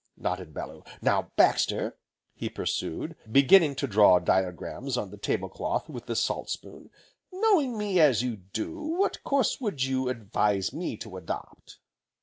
nodded Bellew. "Now Baxter," he pursued, beginning to draw diagrams on the table cloth with the salt spoon, "knowing me as you do, what course should you advise me to adopt?"